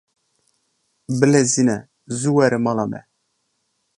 Bilezîne zû were mala me.